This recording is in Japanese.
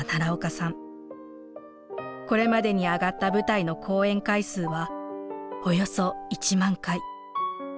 これまでに上がった舞台の公演回数はおよそ１万回。